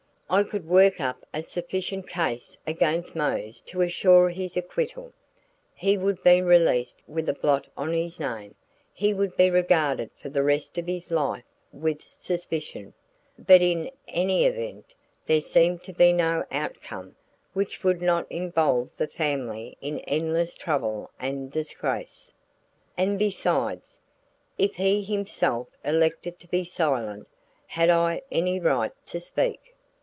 I could work up a sufficient case against Mose to assure his acquittal. He would be released with a blot on his name, he would be regarded for the rest of his life with suspicion; but in any event there seemed to be no outcome which would not involve the family in endless trouble and disgrace. And besides, if he himself elected to be silent, had I any right to speak?